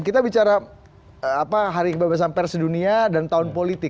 kita bicara hari kebebasan pers sedunia dan tahun politik